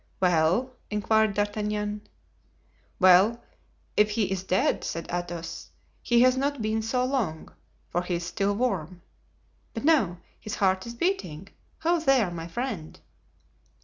"Well?" inquired D'Artagnan. "Well, if he is dead," said Athos, "he has not been so long, for he is still warm. But no, his heart is beating. Ho, there, my friend!"